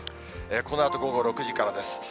このあと午後６時からです。